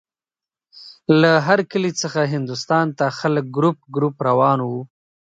له هر کلي څخه هندوستان ته خلک ګروپ ګروپ روان وو.